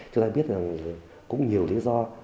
chúng ta biết là cũng nhiều lý do